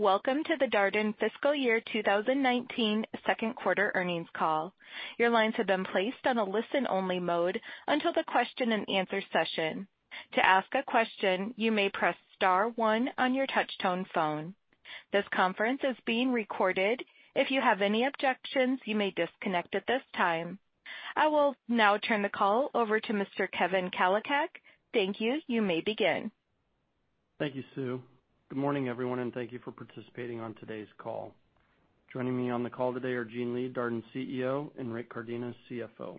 Welcome to the Darden Fiscal Year 2019 Second Quarter Earnings Call. Your lines have been placed on a listen-only mode until the question and answer session. To ask a question, you may press star one on your touchtone phone. This conference is being recorded. If you have any objections, you may disconnect at this time. I will now turn the call over to Mr. Kevin Kalicak. Thank you. You may begin. Thank you, Sue. Good morning, everyone, thank you for participating on today's call. Joining me on the call today are Gene Lee, Darden's CEO, Rick Cardenas, CFO.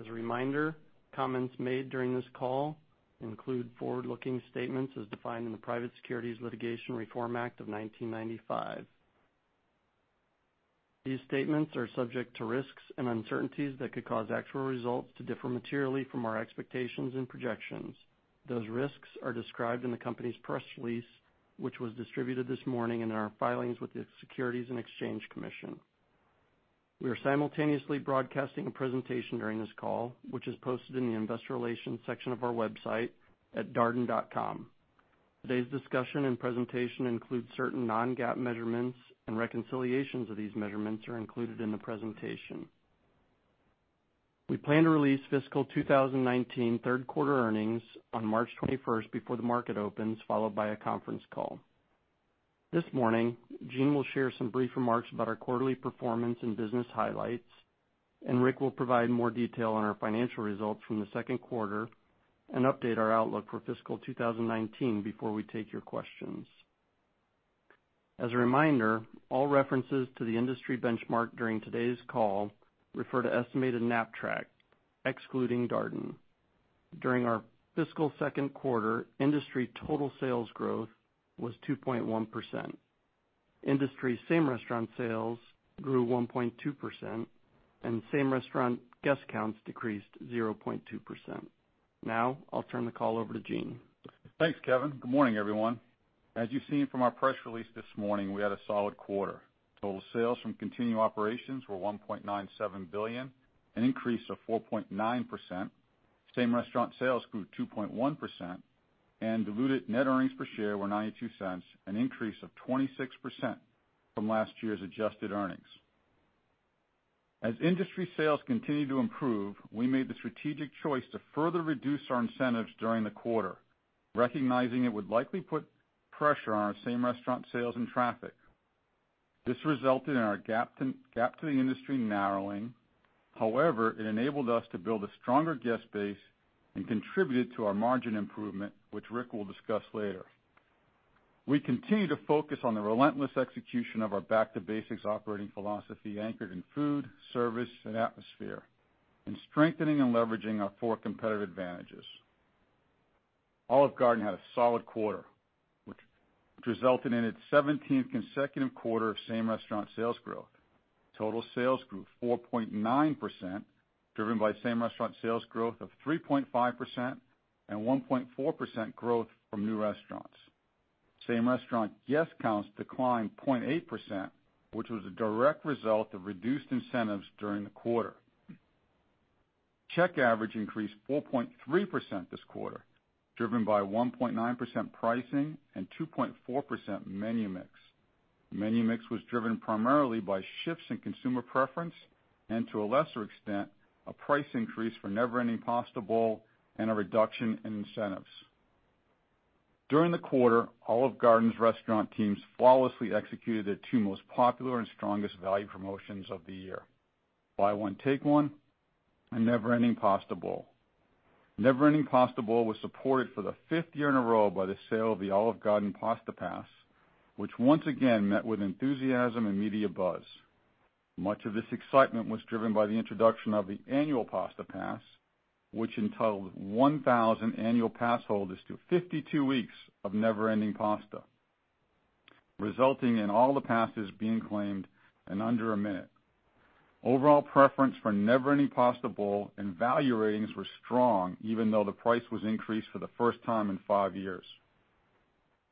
As a reminder, comments made during this call include forward-looking statements as defined in the Private Securities Litigation Reform Act of 1995. These statements are subject to risks and uncertainties that could cause actual results to differ materially from our expectations and projections. Those risks are described in the company's press release, which was distributed this morning in our filings with the Securities and Exchange Commission. We are simultaneously broadcasting a presentation during this call, which is posted in the investor relations section of our website at darden.com. Today's discussion and presentation includes certain non-GAAP measurements and reconciliations of these measurements are included in the presentation. We plan to release fiscal 2019 third quarter earnings on March 21st before the market opens, followed by a conference call. This morning, Gene will share some brief remarks about our quarterly performance and business highlights, Rick will provide more detail on our financial results from the second quarter and update our outlook for fiscal 2019 before we take your questions. As a reminder, all references to the industry benchmark during today's call refer to estimated Knapp-Track, excluding Darden. During our fiscal second quarter, industry total sales growth was 2.1%. Industry same restaurant sales grew 1.2%, same restaurant guest counts decreased 0.2%. Now, I'll turn the call over to Gene. Thanks, Kevin. Good morning, everyone. As you've seen from our press release this morning, we had a solid quarter. Total sales from continued operations were $1.97 billion, an increase of 4.9%. Same-restaurant sales grew 2.1%, diluted net earnings per share were $0.92, an increase of 26% from last year's adjusted earnings. As industry sales continued to improve, we made the strategic choice to further reduce our incentives during the quarter, recognizing it would likely put pressure on our same-restaurant sales and traffic. This resulted in our gap to the industry narrowing. However, it enabled us to build a stronger guest base and contributed to our margin improvement, which Rick will discuss later. We continue to focus on the relentless execution of our back-to-basics operating philosophy anchored in food, service, and atmosphere, strengthening and leveraging our four competitive advantages. Olive Garden had a solid quarter, which resulted in its 17th consecutive quarter of same-restaurant sales growth. Total sales grew 4.9%, driven by same-restaurant sales growth of 3.5% and 1.4% growth from new restaurants. Same-restaurant guest counts declined 0.8%, which was a direct result of reduced incentives during the quarter. Check average increased 4.3% this quarter, driven by 1.9% pricing and 2.4% menu mix. Menu mix was driven primarily by shifts in consumer preference and, to a lesser extent, a price increase for Never Ending Pasta Bowl and a reduction in incentives. During the quarter, Olive Garden's restaurant teams flawlessly executed their two most popular and strongest value promotions of the year: Buy One, Take One and Never Ending Pasta Bowl. Never Ending Pasta Bowl was supported for the fifth year in a row by the sale of the Olive Garden Pasta Pass, which once again met with enthusiasm and media buzz. Much of this excitement was driven by the introduction of the Annual Pasta Pass, which entitles 1,000 annual pass holders to 52 weeks of Never Ending Pasta, resulting in all the passes being claimed in under a minute. Overall preference for Never Ending Pasta Bowl and value ratings were strong, even though the price was increased for the first time in five years.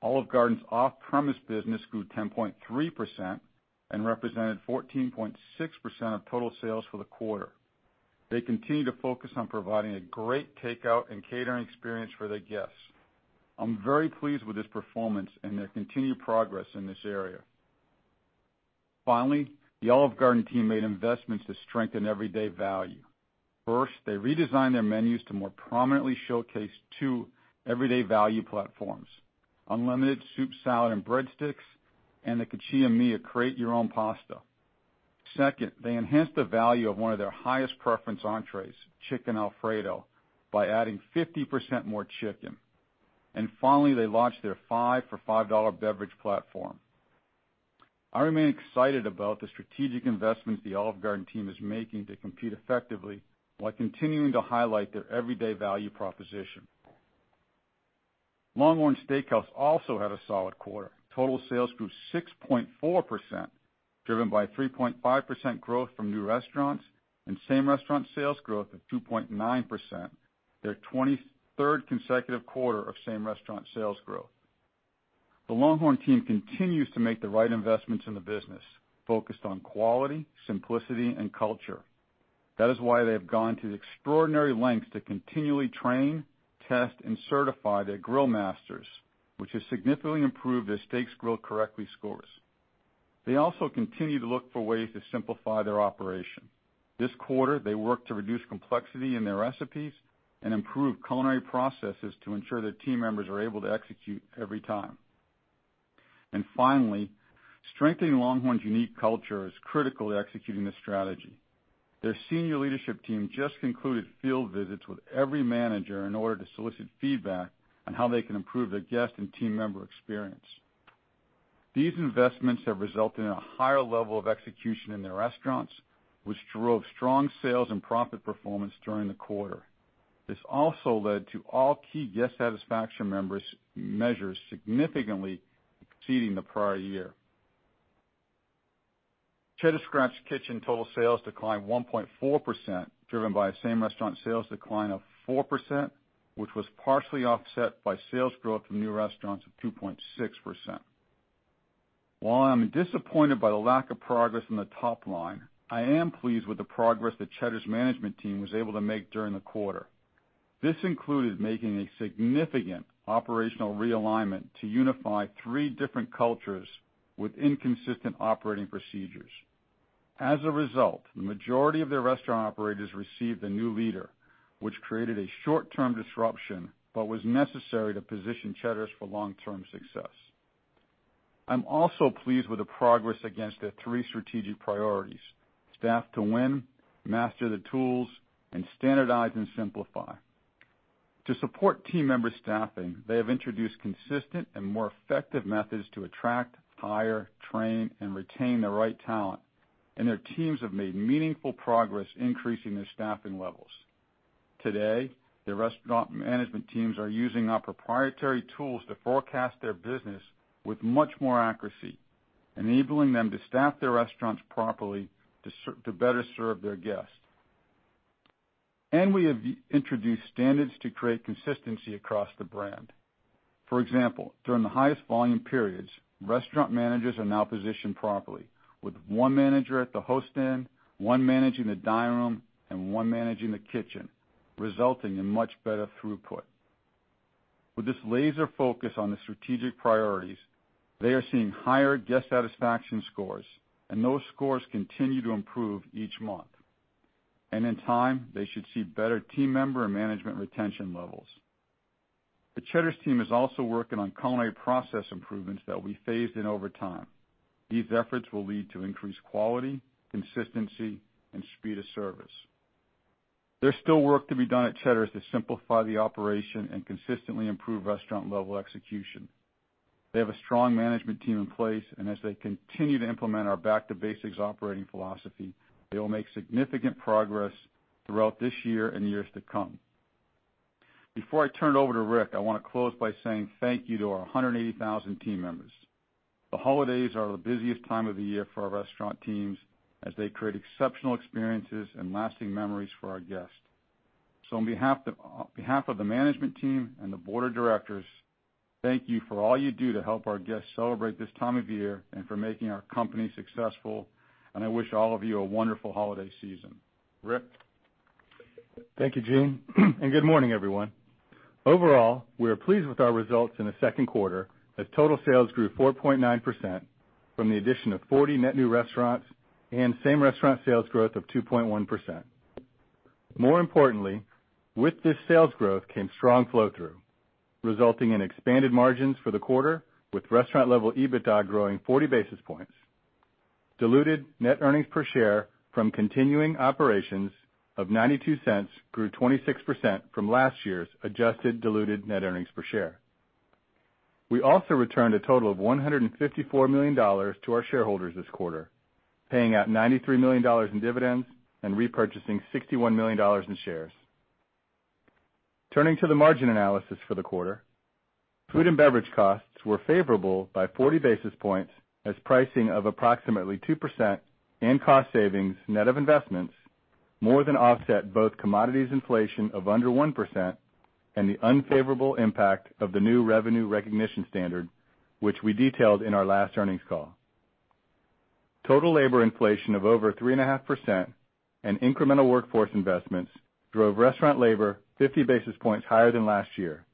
Olive Garden's off-premise business grew 10.3% and represented 14.6% of total sales for the quarter. They continue to focus on providing a great takeout and catering experience for their guests. I'm very pleased with this performance and their continued progress in this area. The Olive Garden team made investments to strengthen everyday value. First, they redesigned their menus to more prominently showcase two everyday value platforms, unlimited soup, salad, and breadsticks, and the Cucina Mia! Create Your Own Pasta. Second, they enhanced the value of one of their highest preference entrees, Chicken Alfredo, by adding 50% more chicken. Finally, they launched their 5 for $5 beverage platform. I remain excited about the strategic investments the Olive Garden team is making to compete effectively while continuing to highlight their everyday value proposition. LongHorn Steakhouse also had a solid quarter. Total sales grew 6.4%, driven by 3.5% growth from new restaurants and same-restaurant sales growth of 2.9%, their 23rd consecutive quarter of same-restaurant sales growth. The LongHorn team continues to make the right investments in the business, focused on quality, simplicity, and culture. That is why they have gone to extraordinary lengths to continually train, test, and certify their grill masters, which has significantly improved their steaks grilled correctly scores. They also continue to look for ways to simplify their operation. This quarter, they worked to reduce complexity in their recipes and improve culinary processes to ensure their team members are able to execute every time. Finally, strengthening LongHorn's unique culture is critical to executing this strategy. Their senior leadership team just concluded field visits with every manager in order to solicit feedback on how they can improve their guest and team member experience. These investments have resulted in a higher level of execution in their restaurants, which drove strong sales and profit performance during the quarter. This also led to all key guest satisfaction measures significantly exceeding the prior year. Cheddar's Scratch Kitchen total sales declined 1.4%, driven by same-restaurant sales decline of 4%, which was partially offset by sales growth from new restaurants of 2.6%. While I'm disappointed by the lack of progress in the top line, I am pleased with the progress that Cheddar's management team was able to make during the quarter. This included making a significant operational realignment to unify three different cultures with inconsistent operating procedures. As a result, the majority of their restaurant operators received a new leader, which created a short-term disruption, but was necessary to position Cheddar's for long-term success. I'm also pleased with the progress against their three strategic priorities: staff to win, master the tools, and standardize and simplify. To support team member staffing, they have introduced consistent and more effective methods to attract, hire, train, and retain the right talent. Their teams have made meaningful progress increasing their staffing levels. Today, the restaurant management teams are using our proprietary tools to forecast their business with much more accuracy, enabling them to staff their restaurants properly to better serve their guests. We have introduced standards to create consistency across the brand. For example, during the highest volume periods, restaurant managers are now positioned properly with one manager at the host end, one managing the dining room, and one managing the kitchen, resulting in much better throughput. With this laser focus on the strategic priorities, they are seeing higher guest satisfaction scores, and those scores continue to improve each month. In time, they should see better team member and management retention levels. The Cheddar's team is also working on culinary process improvements that will be phased in over time. These efforts will lead to increased quality, consistency, and speed of service. There's still work to be done at Cheddar's to simplify the operation and consistently improve restaurant-level execution. They have a strong management team in place, and as they continue to implement our back-to-basics operating philosophy, they will make significant progress throughout this year and years to come. Before I turn it over to Rick, I want to close by saying thank you to our 180,000 team members. The holidays are the busiest time of the year for our restaurant teams as they create exceptional experiences and lasting memories for our guests. On behalf of the management team and the Board of Directors, thank you for all you do to help our guests celebrate this time of year and for making our company successful. I wish all of you a wonderful holiday season. Rick? Thank you, Gene, and good morning, everyone. Overall, we are pleased with our results in the second quarter as total sales grew 4.9% from the addition of 40 net new restaurants and same-restaurant sales growth of 2.1%. More importantly, with this sales growth came strong flow-through, resulting in expanded margins for the quarter with restaurant-level EBITDA growing 40 basis points. Diluted net earnings per share from continuing operations of $0.92 grew 26% from last year's adjusted diluted net earnings per share. We also returned a total of $154 million to our shareholders this quarter, paying out $93 million in dividends and repurchasing $61 million in shares. Turning to the margin analysis for the quarter, food and beverage costs were favorable by 40 basis points as pricing of approximately 2% in cost savings net of investments more than offset both commodities inflation of under 1% and the unfavorable impact of the new revenue recognition standard, which we detailed in our last earnings call. Total labor inflation of over 3.5% and incremental workforce investments drove restaurant labor 50 basis points higher than last year,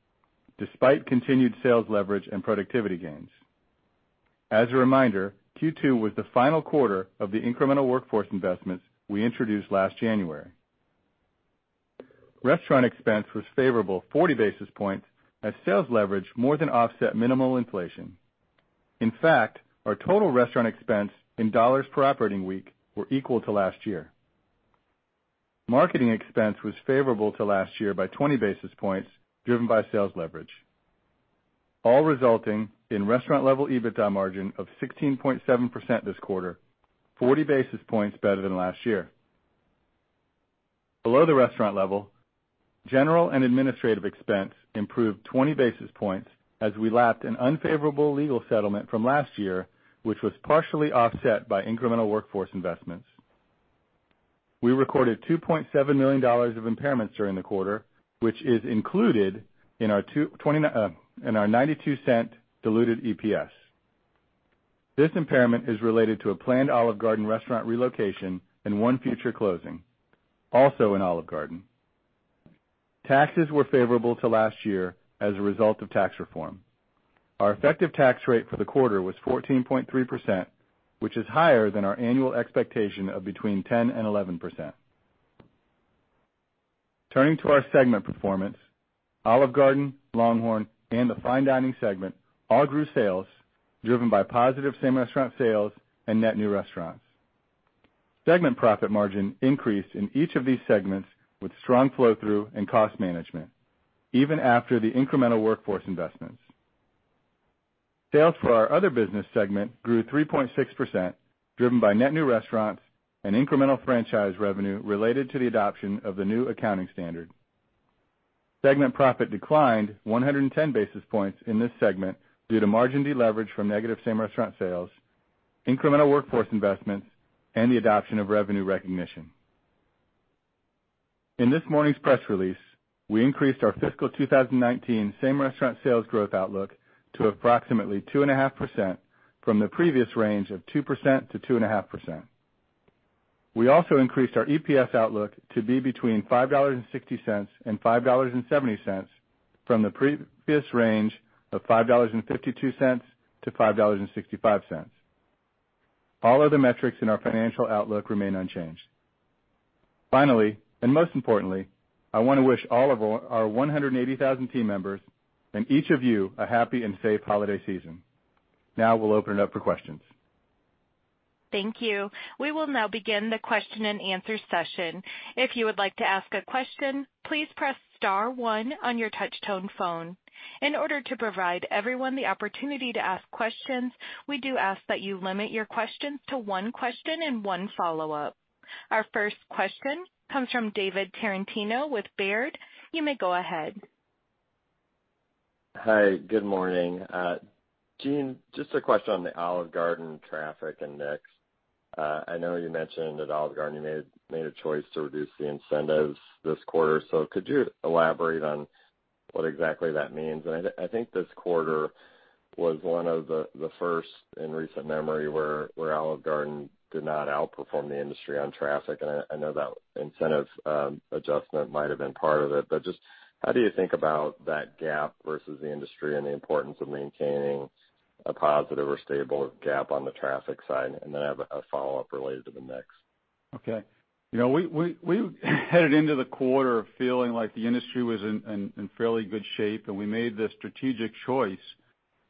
despite continued sales leverage and productivity gains. As a reminder, Q2 was the final quarter of the incremental workforce investments we introduced last January. Restaurant expense was favorable 40 basis points as sales leverage more than offset minimal inflation. In fact, our total restaurant expense in dollars per operating week were equal to last year. Marketing expense was favorable to last year by 20 basis points, driven by sales leverage, all resulting in restaurant-level EBITDA margin of 16.7% this quarter, 40 basis points better than last year. Below the restaurant level, general and administrative expense improved 20 basis points as we lapped an unfavorable legal settlement from last year, which was partially offset by incremental workforce investments. We recorded $2.7 million of impairments during the quarter, which is included in our $0.92 diluted EPS. This impairment is related to a planned Olive Garden restaurant relocation and one future closing, also in Olive Garden. Taxes were favorable to last year as a result of tax reform. Our effective tax rate for the quarter was 14.3%, which is higher than our annual expectation of between 10% and 11%. Turning to our segment performance, Olive Garden, LongHorn, and the Fine Dining segment all grew sales driven by positive same-restaurant sales and net new restaurants. Segment profit margin increased in each of these segments with strong flow-through and cost management, even after the incremental workforce investments. Sales for our other business segment grew 3.6%, driven by net new restaurants and incremental franchise revenue related to the adoption of the new accounting standard. Segment profit declined 110 basis points in this segment due to margin deleverage from negative same-restaurant sales, incremental workforce investments, and the adoption of revenue recognition. In this morning's press release, we increased our fiscal 2019 same-restaurant sales growth outlook to approximately 2.5% from the previous range of 2%-2.5%. We also increased our EPS outlook to be between $5.60 and $5.70 from the previous range of $5.52-$5.65. All other metrics in our financial outlook remain unchanged. Finally, most importantly, I want to wish all of our 180,000 team members and each of you a happy and safe holiday season. We'll open it up for questions. Thank you. We will begin the question and answer session. If you would like to ask a question, please press star one on your touch-tone phone. In order to provide everyone the opportunity to ask questions, we do ask that you limit your questions to one question and one follow-up. Our first question comes from David Tarantino with Baird. You may go ahead. Hi, good morning. Gene, just a question on the Olive Garden traffic and mix. I know you mentioned that Olive Garden, you made a choice to reduce the incentives this quarter, could you elaborate on what exactly that means? I think this quarter was one of the first in recent memory where Olive Garden did not outperform the industry on traffic. I know that incentive adjustment might have been part of it, but just how do you think about that gap versus the industry and the importance of maintaining a positive or stable gap on the traffic side? Then I have a follow-up related to the mix. Okay. We headed into the quarter feeling like the industry was in fairly good shape, we made the strategic choice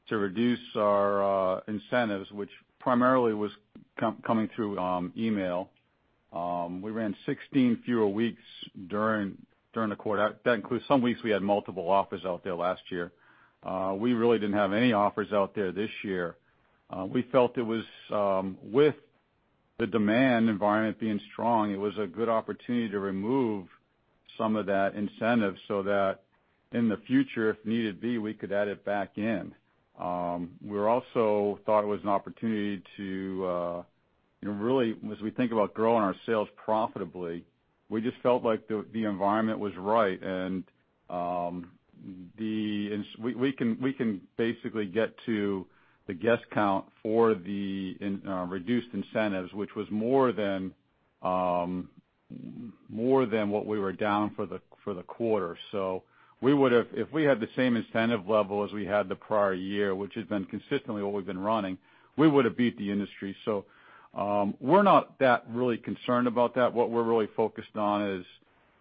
to reduce our incentives, which primarily was coming through email. We ran 16 fewer weeks during the quarter. That includes some weeks we had multiple offers out there last year. We really didn't have any offers out there this year. We felt it was, with the demand environment being strong, it was a good opportunity to remove some of that incentive so that in the future, if need be, we could add it back in. We also thought it was an opportunity to really, as we think about growing our sales profitably, we just felt like the environment was right and we can basically get to the guest count for the reduced incentives, which was more than what we were down for the quarter. If we had the same incentive level as we had the prior year, which has been consistently what we've been running, we would have beat the industry. We're not that really concerned about that. What we're really focused on is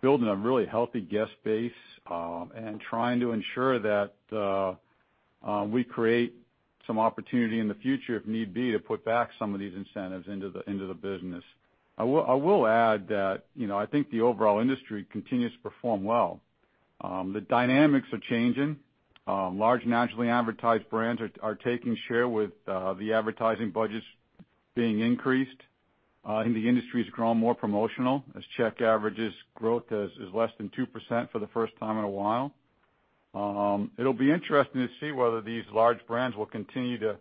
building a really healthy guest base and trying to ensure that we create some opportunity in the future if need be, to put back some of these incentives into the business. I will add that I think the overall industry continues to perform well. The dynamics are changing. Large nationally advertised brands are taking share with the advertising budgets being increased. I think the industry's grown more promotional as check averages growth is less than 2% for the first time in a while. It'll be interesting to see whether these large brands will continue to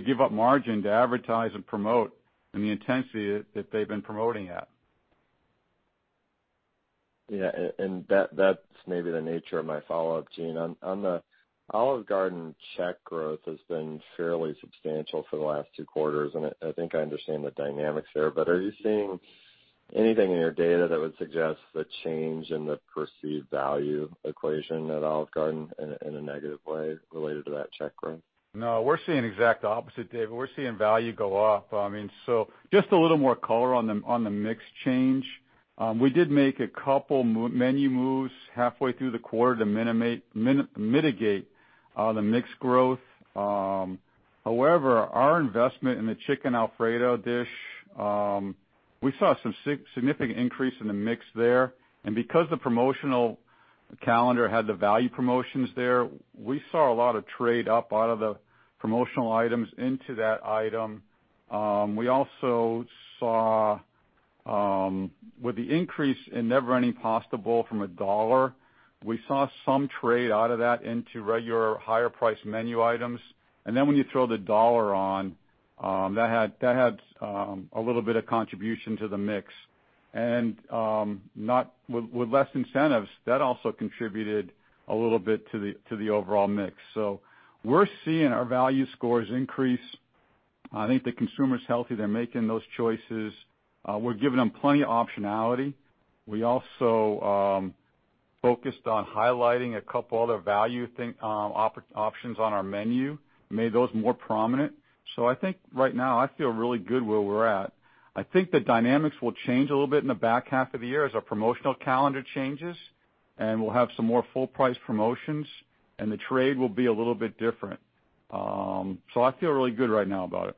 give up margin to advertise and promote in the intensity that they've been promoting at. That's maybe the nature of my follow-up, Gene. On the Olive Garden check growth has been fairly substantial for the last two quarters, and I think I understand the dynamics there. Are you seeing anything in your data that would suggest the change in the perceived value equation at Olive Garden in a negative way related to that check growth? No. We're seeing exact opposite, David. We're seeing value go up. Just a little more color on the mix change. We did make a couple menu moves halfway through the quarter to mitigate the mix growth. However, our investment in the Chicken Alfredo dish, we saw some significant increase in the mix there, and because the promotional calendar had the value promotions there, we saw a lot of trade up out of the promotional items into that item. We also saw with the increase in Never Ending Pasta Bowl from $1, we saw some trade out of that into regular higher priced menu items. When you throw the $1 on, that had a little bit of contribution to the mix. With less incentives, that also contributed a little bit to the overall mix. We're seeing our value scores increase. I think the consumer's healthy. They're making those choices. We're giving them plenty of optionality. We also focused on highlighting a couple other value options on our menu, made those more prominent. I think right now I feel really good where we're at. I think the dynamics will change a little bit in the back half of the year as our promotional calendar changes, and we'll have some more full price promotions, and the trade will be a little bit different. I feel really good right now about it.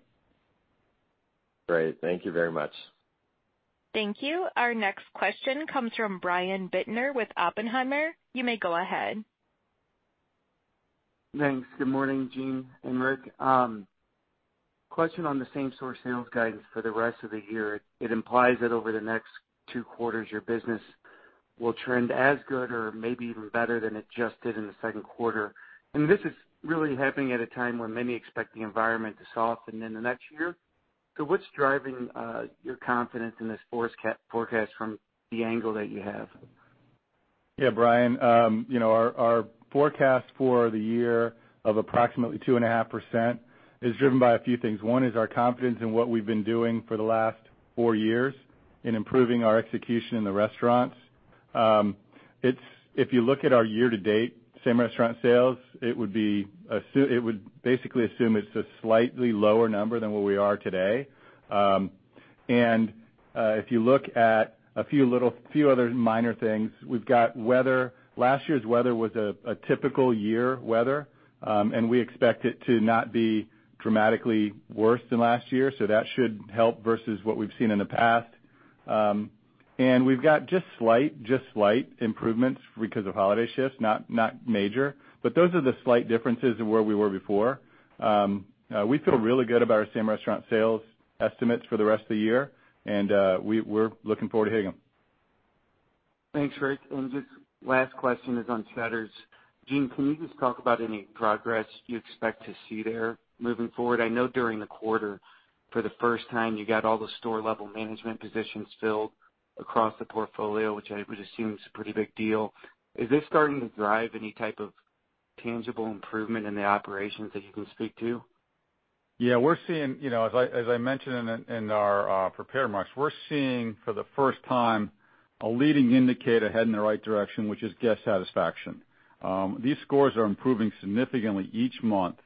Great. Thank you very much. Thank you. Our next question comes from Brian Bittner with Oppenheimer. You may go ahead. Thanks. Good morning, Gene and Rick. Question on the same-store sales guidance for the rest of the year. It implies that over the next two quarters, your business will trend as good or maybe even better than it just did in the second quarter. This is really happening at a time when many expect the environment to soften in the next year. What's driving your confidence in this forecast from the angle that you have? Yeah, Brian. Our forecast for the year of approximately 2.5% is driven by a few things. One is our confidence in what we've been doing for the last four years in improving our execution in the restaurants. If you look at our year-to-date same-restaurant sales, it would basically assume it's a slightly lower number than where we are today. If you look at a few other minor things, we've got weather. Last year's weather was a typical year weather. We expect it to not be dramatically worse than last year, so that should help versus what we've seen in the past. We've got just slight improvements because of holiday shifts, not major, but those are the slight differences than where we were before. We feel really good about our same-restaurant sales estimates for the rest of the year, and we're looking forward to hitting them. Thanks, Rick. Just last question is on Cheddar's. Gene, can you just talk about any progress you expect to see there moving forward? I know during the quarter, for the first time, you got all the store-level management positions filled across the portfolio, which I would assume is a pretty big deal. Is this starting to drive any type of tangible improvement in the operations that you can speak to? Yeah. As I mentioned in our prepared remarks, we're seeing for the first time a leading indicator heading in the right direction, which is guest satisfaction. These scores are improving significantly each month,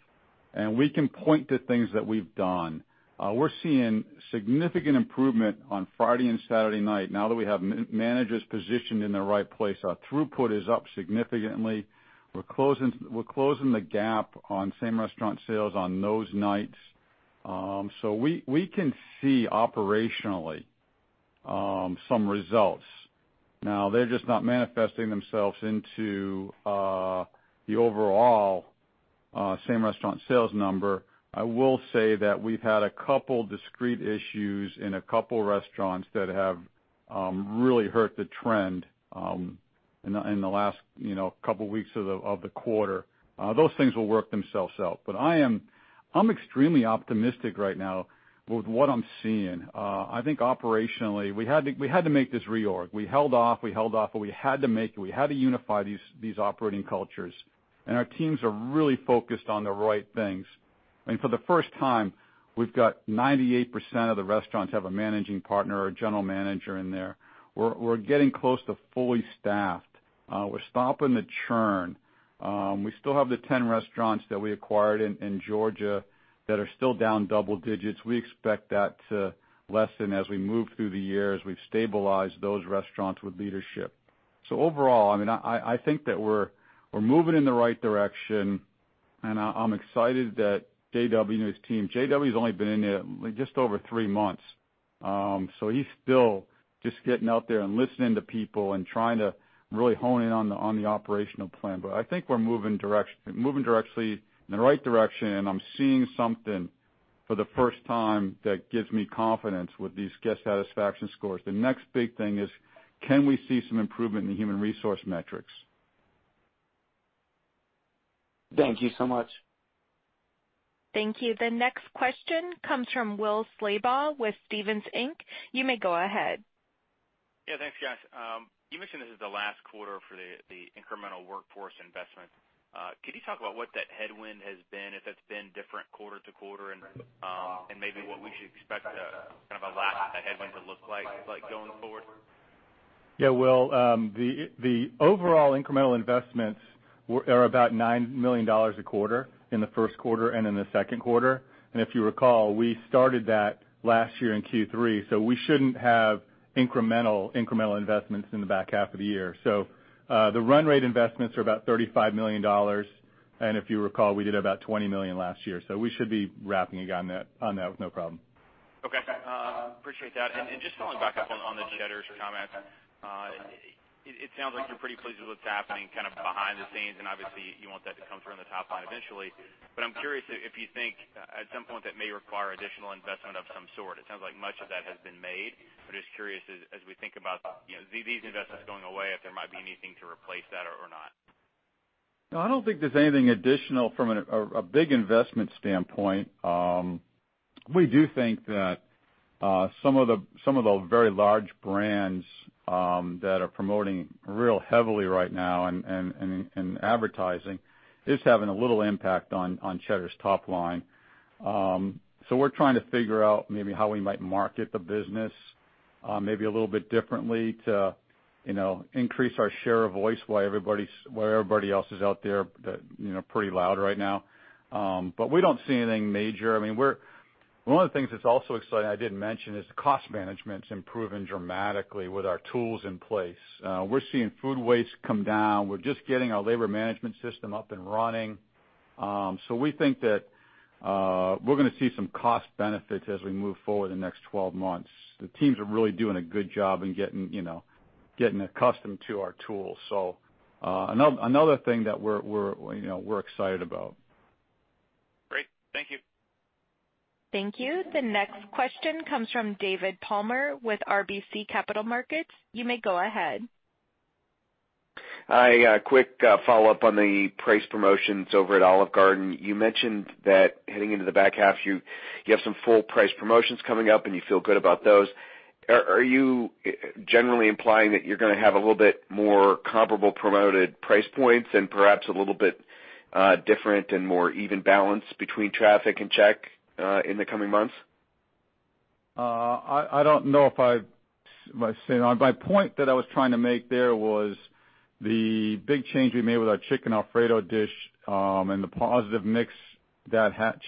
and we can point to things that we've done. We're seeing significant improvement on Friday and Saturday night now that we have managers positioned in the right place. Our throughput is up significantly. We're closing the gap on same-restaurant sales on those nights. We can see operationally some results. Now they're just not manifesting themselves into the overall same-restaurant sales number. I will say that we've had a couple discrete issues in a couple restaurants that have really hurt the trend in the last couple weeks of the quarter. Those things will work themselves out, but I'm extremely optimistic right now with what I'm seeing. I think operationally, we had to make this reorg. We held off, but we had to make it. We had to unify these operating cultures. Our teams are really focused on the right things. For the first time, we've got 98% of the restaurants have a managing partner or general manager in there. We're getting close to fully staffed. We're stopping the churn. We still have the 10 restaurants that we acquired in Georgia that are still down double digits. We expect that to lessen as we move through the year, as we've stabilized those restaurants with leadership. Overall, I think that we're moving in the right direction, and I'm excited that J.W. and his team. J.W. has only been in there just over three months. He's still just getting out there and listening to people and trying to really hone in on the operational plan. I think we're moving directly in the right direction, and I'm seeing something for the first time that gives me confidence with these guest satisfaction scores. The next big thing is, can we see some improvement in the human resource metrics? Thank you so much. Thank you. The next question comes from Will Slabaugh with Stephens Inc. You may go ahead. Yeah, thanks, guys. You mentioned this is the last quarter for the incremental workforce investment. Can you talk about what that headwind has been, if it's been different quarter to quarter, and maybe what we should expect kind of a lack of that headwind to look like going forward? Yeah, Will. The overall incremental investments are about $9 million a quarter in the first quarter and in the second quarter. If you recall, we started that last year in Q3, we shouldn't have incremental investments in the back half of the year. The run rate investments are about $35 million. If you recall, we did about $20 million last year, we should be wrapping up on that with no problem. Okay. Appreciate that. Just following back up on the Cheddar's comments. It sounds like you're pretty pleased with what's happening kind of behind the scenes, and obviously you want that to come through in the top line eventually. I'm curious if you think at some point that may require additional investment of some sort. It sounds like much of that has been made, but just curious as we think about these investments going away, if there might be anything to replace that or not. No, I don't think there's anything additional from a big investment standpoint. We do think that some of the very large brands that are promoting real heavily right now in advertising is having a little impact on Cheddar's top line. We're trying to figure out maybe how we might market the business maybe a little bit differently to increase our share of voice while everybody else is out there pretty loud right now. We don't see anything major. One of the things that's also exciting I didn't mention is the cost management's improving dramatically with our tools in place. We're seeing food waste come down. We're just getting our labor management system up and running. We think that we're going to see some cost benefits as we move forward in the next 12 months. The teams are really doing a good job in getting accustomed to our tools. Another thing that we're excited about. Great. Thank you. Thank you. The next question comes from David Palmer with RBC Capital Markets. You may go ahead. Hi, a quick follow-up on the price promotions over at Olive Garden. You mentioned that heading into the back half, you have some full price promotions coming up, and you feel good about those. Are you generally implying that you're going to have a little bit more comparable promoted price points and perhaps a little bit different and more even balance between traffic and check in the coming months? I don't know if I said. My point that I was trying to make there was the big change we made with our Chicken Alfredo dish and the positive mix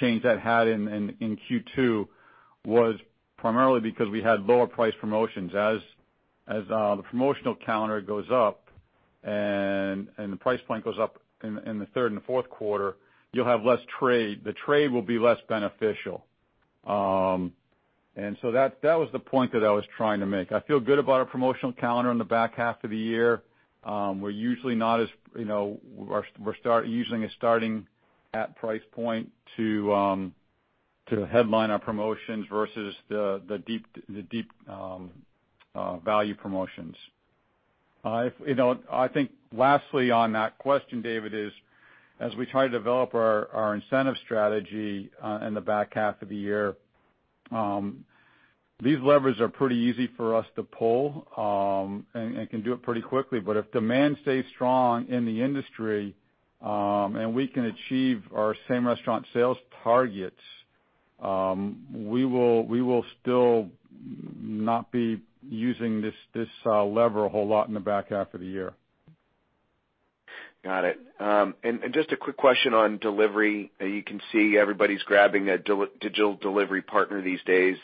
change that had in Q2 was primarily because we had lower price promotions. As the promotional calendar goes up and the price point goes up in the third and the fourth quarter, you'll have less trade. The trade will be less beneficial. That was the point that I was trying to make. I feel good about our promotional calendar in the back half of the year. We're using a starting at price point to headline our promotions versus the deep value promotions. I think lastly on that question, David, is as we try to develop our incentive strategy in the back half of the year, these levers are pretty easy for us to pull and can do it pretty quickly. If demand stays strong in the industry, and we can achieve our same-restaurant sales targets, we will still not be using this lever a whole lot in the back half of the year. Got it. Just a quick question on delivery. You can see everybody's grabbing a digital delivery partner these days.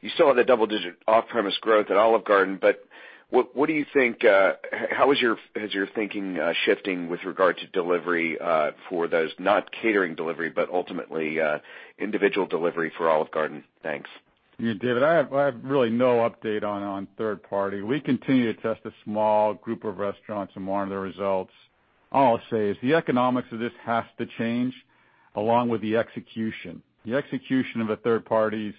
You still have the double-digit off-premise growth at Olive Garden, but what do you think, how is your thinking shifting with regard to delivery for those, not catering delivery, but ultimately individual delivery for Olive Garden? Thanks. David, I have really no update on third party. We continue to test a small group of restaurants and monitor the results. All I'll say is the economics of this has to change along with the execution. The execution of the third parties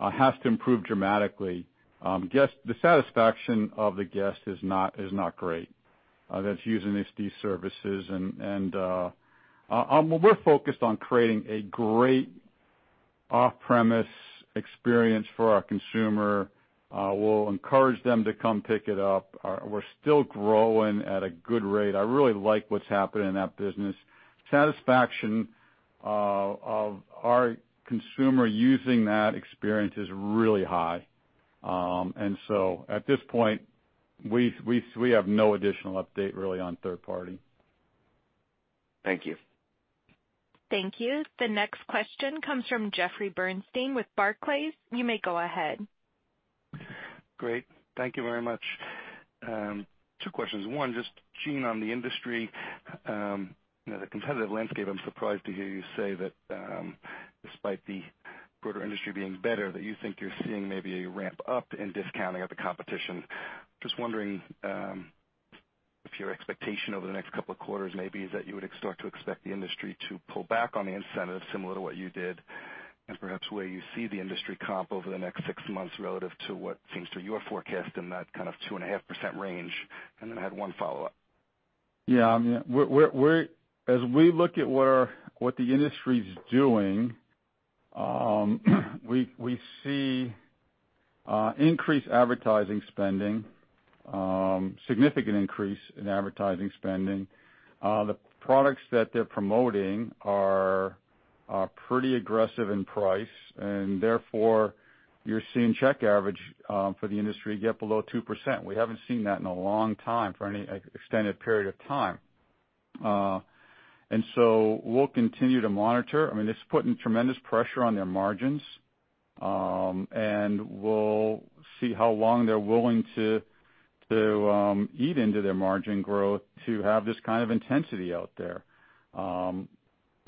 has to improve dramatically. The satisfaction of the guest is not great that's using these services. We're focused on creating a great off-premise experience for our consumer. We'll encourage them to come pick it up. We're still growing at a good rate. I really like what's happening in that business. Satisfaction of our consumer using that experience is really high. At this point, we have no additional update really on third party. Thank you. Thank you. The next question comes from Jeffrey Bernstein with Barclays. You may go ahead. Great. Thank you very much. Two questions. One, just Gene, on the industry, the competitive landscape, I am surprised to hear you say that despite the broader industry being better, that you think you are seeing maybe a ramp up in discounting of the competition. Just wondering if your expectation over the next couple of quarters maybe is that you would start to expect the industry to pull back on the incentives similar to what you did and perhaps where you see the industry comp over the next six months relative to what seems to your forecast in that kind of 2.5% range? Then I had one follow-up. Yeah. As we look at what the industry's doing, we see increased advertising spending, significant increase in advertising spending. The products that they're promoting are pretty aggressive in price, and therefore you're seeing check average for the industry get below 2%. We haven't seen that in a long time for any extended period of time. We'll continue to monitor. It's putting tremendous pressure on their margins, and we'll see how long they're willing to eat into their margin growth to have this kind of intensity out there.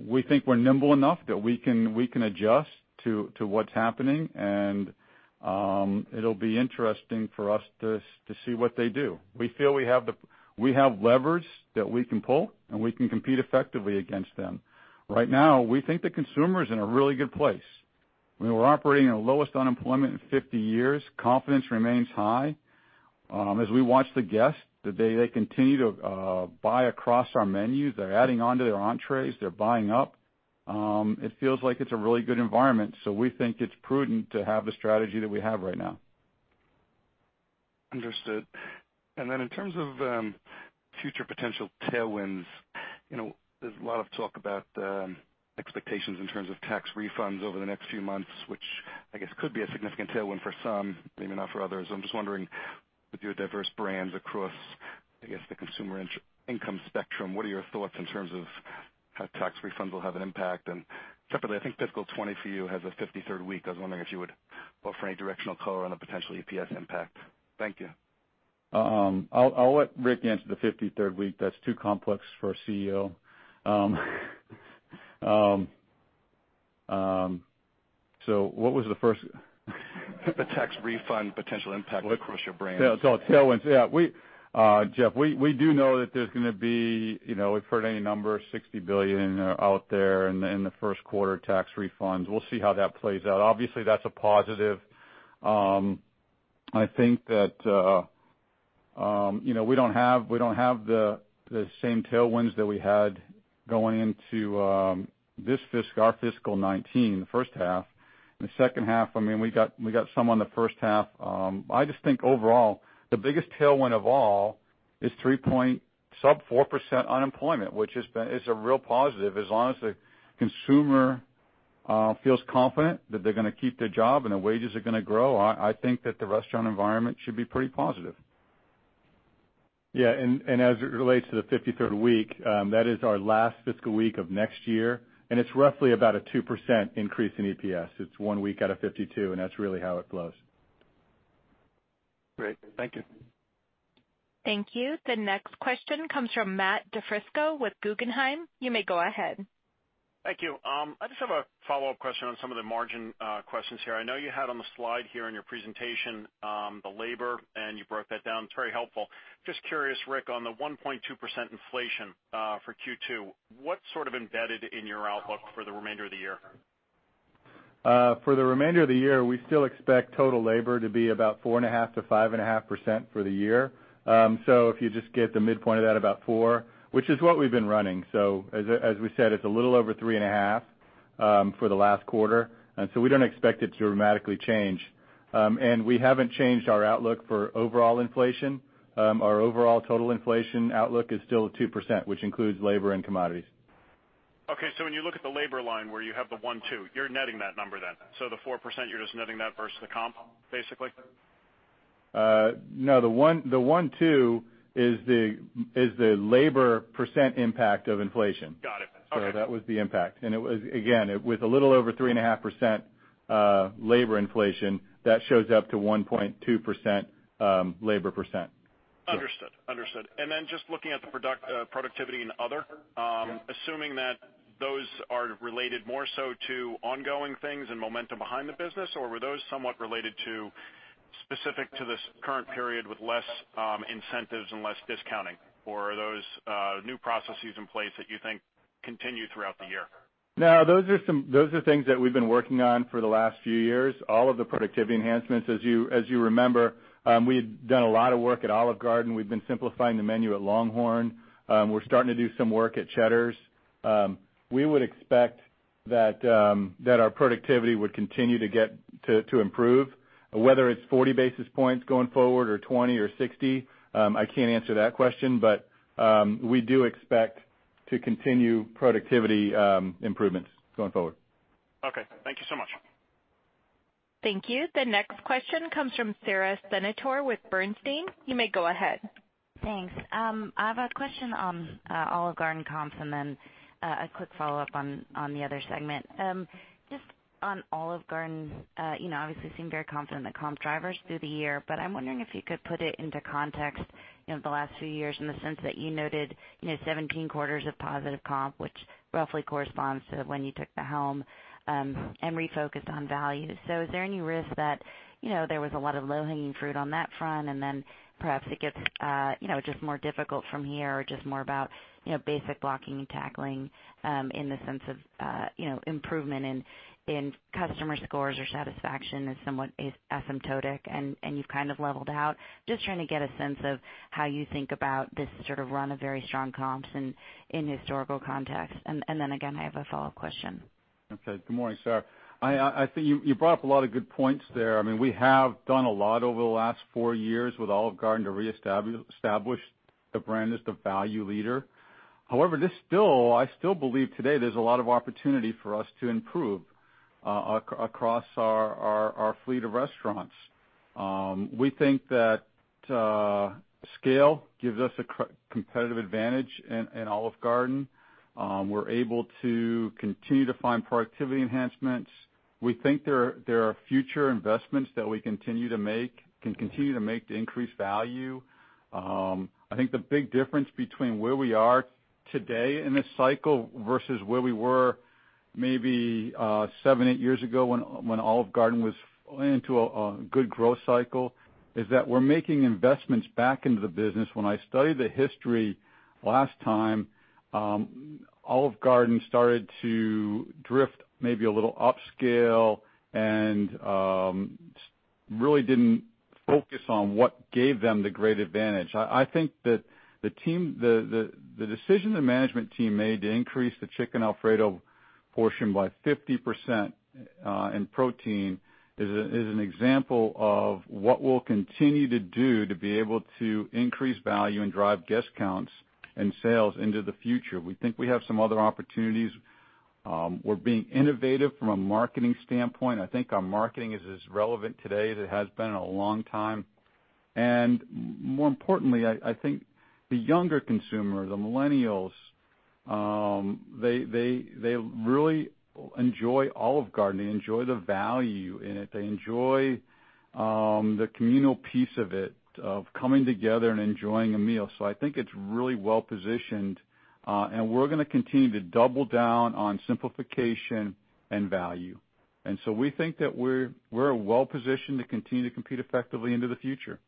We think we're nimble enough that we can adjust to what's happening, and it'll be interesting for us to see what they do. We feel we have levers that we can pull, and we can compete effectively against them. Right now, we think the consumer is in a really good place. We were operating in the lowest unemployment in 50 years. Confidence remains high. As we watch the guests, they continue to buy across our menus. They're adding on to their entrees. They're buying up. It feels like it's a really good environment. We think it's prudent to have the strategy that we have right now. Understood. Then in terms of future potential tailwinds, there's a lot of talk about expectations in terms of tax refunds over the next few months, which I guess could be a significant tailwind for some, maybe not for others. I'm just wondering, with your diverse brands across, I guess, the consumer income spectrum, what are your thoughts in terms of how tax refunds will have an impact? Separately, I think fiscal 2020 for you has a 53rd week. I was wondering if you would offer any directional color on a potential EPS impact. Thank you. I'll let Rick answer the 53rd week. That's too complex for a CEO. What was the first? The tax refund potential impact across your brands. Oh, tailwinds. Yeah. Jeff, we do know that there's going to be, we've heard a number, $60 billion out there in the first quarter tax refunds. We'll see how that plays out. Obviously, that's a positive. I think that we don't have the same tailwinds that we had going into our fiscal 2019, the first half. In the second half, we got some on the first half. I just think overall, the biggest tailwind of all is 3 point, sub 4% unemployment, which is a real positive. As long as the consumer feels confident that they're going to keep their job and their wages are going to grow, I think that the restaurant environment should be pretty positive. As it relates to the 53rd week, that is our last fiscal week of next year, it's roughly about a 2% increase in EPS. It's one week out of 52, that's really how it flows. Great. Thank you. Thank you. The next question comes from Matt DiFrisco with Guggenheim. You may go ahead. Thank you. I just have a follow-up question on some of the margin questions here. I know you had on the slide here in your presentation, the labor, and you broke that down. It is very helpful. Just curious, Rick, on the 1.2% inflation for Q2, what is sort of embedded in your outlook for the remainder of the year? For the remainder of the year, we still expect total labor to be about 4.5%-5.5% for the year. If you just get the midpoint of that, about 4%, which is what we have been running. As we said, it is a little over 3.5% for the last quarter. We do not expect it to dramatically change. We have not changed our outlook for overall inflation. Our overall total inflation outlook is still at 2%, which includes labor and commodities. Okay. When you look at the labor line where you have the 1.2%, you are netting that number then. The 4%, you are just netting that versus the comp, basically? No, the 1.2% is the labor percent impact of inflation. Got it. Okay. That was the impact. Again, with a little over 3.5% labor inflation, that shows up to 1.2% labor percent. Understood. Understood. Just looking at the productivity and other, assuming that those are related more so to ongoing things and momentum behind the business, were those somewhat related to specific to this current period with less incentives and less discounting? Are those new processes in place that you think continue throughout the year? No, those are things that we've been working on for the last few years, all of the productivity enhancements. As you remember, we had done a lot of work at Olive Garden. We've been simplifying the menu at LongHorn. We're starting to do some work at Cheddar's. We would expect that our productivity would continue to improve, whether it's 40 basis points going forward or 20 or 60, I can't answer that question, but we do expect to continue productivity improvements going forward. Okay. Thank you so much. Thank you. The next question comes from Sara Senatore with Bernstein. You may go ahead. Thanks. I have a question on Olive Garden comps and then a quick follow-up on the other segment. Just on Olive Garden, obviously you seem very confident in the comp drivers through the year, but I'm wondering if you could put it into context, the last few years in the sense that you noted 17 quarters of positive comp, which roughly corresponds to when you took the helm and refocused on value. Is there any risk that there was a lot of low-hanging fruit on that front, and then perhaps it gets just more difficult from here or just more about basic blocking and tackling in the sense of improvement in customer scores or satisfaction is somewhat asymptotic and you've kind of leveled out? Trying to get a sense of how you think about this sort of run of very strong comps in historical context. Again, I have a follow-up question. Okay. Good morning, Sara. I think you brought up a lot of good points there. We have done a lot over the last four years with Olive Garden to reestablish the brand as the value leader. However, I still believe today there's a lot of opportunity for us to improve across our fleet of restaurants. We think that scale gives us a competitive advantage in Olive Garden. We're able to continue to find productivity enhancements. We think there are future investments that we can continue to make to increase value. I think the big difference between where we are today in this cycle versus where we were maybe seven, eight years ago when Olive Garden was into a good growth cycle, is that we're making investments back into the business. When I studied the history last time, Olive Garden started to drift maybe a little upscale and really didn't focus on what gave them the great advantage. I think that the decision the management team made to increase the Chicken Alfredo portion by 50% in protein is an example of what we'll continue to do to be able to increase value and drive guest counts and sales into the future. We think we have some other opportunities. We're being innovative from a marketing standpoint. I think our marketing is as relevant today as it has been in a long time. More importantly, I think the younger consumer, the millennials, they really enjoy Olive Garden. They enjoy the value in it. They enjoy the communal piece of it, of coming together and enjoying a meal. I think it's really well-positioned, and we're going to continue to double down on simplification and value. We think that we're well-positioned to continue to compete effectively into the future.